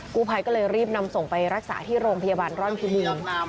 กู้ภัยก็เลยรีบนำส่งไปรักษาที่โรงพยาบาลร่อนพิบูรณ์